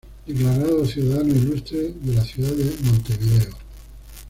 Declarado ciudadano ilustre de la ciudad de Montevideo.